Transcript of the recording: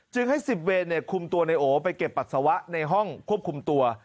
จึงให้๑๐เวนจะคลุมตัวนายโอ้ไปเก็บปัสสาวะในห้องควบคลุมตัว